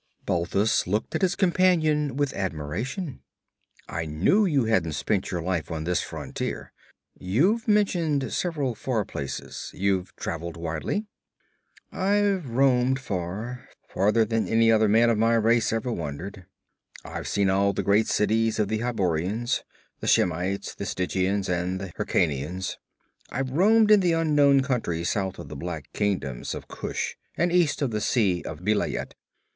Balthus looked at his companion with admiration. 'I knew you hadn't spent your life on this frontier. You've mentioned several far places. You've traveled widely?' 'I've roamed far; farther than any other man of my race ever wandered. I've seen all the great cities of the Hyborians, the Shemites, the Stygians and the Hyrkanians. I've roamed in the unknown countries south of the black kingdoms of Kush, and east of the Sea of Vilayet.